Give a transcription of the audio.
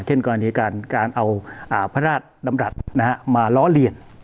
กรณีการเอาพระราชดำรัฐมาล้อเลียน